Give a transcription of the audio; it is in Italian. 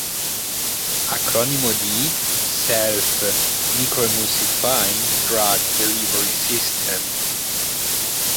Acronimo di self-microemulsifying drug delivery systems.